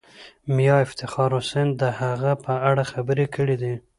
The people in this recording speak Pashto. میا افتخار حسین د هغه په اړه خبرې کړې دي.